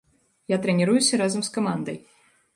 Я трэніруюся разам з камандай.